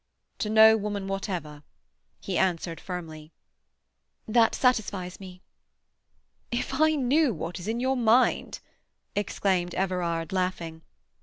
"To no woman whatever," he answered firmly. "That satisfies me." "If I knew what is in your mind!" exclaimed Everard, laughing.